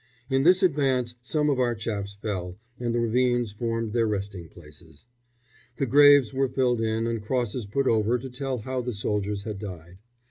In this advance some of our chaps fell, and the ravines formed their resting places. The graves were filled in and crosses put over to tell how the soldiers had died.